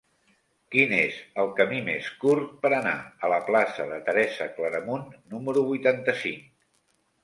Quin és el camí més curt per anar a la plaça de Teresa Claramunt número vuitanta-cinc?